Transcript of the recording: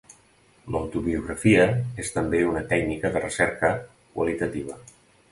L'autobiografia és també una tècnica de recerca qualitativa.